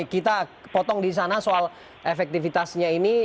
kita potong di sana soal efektivitasnya ini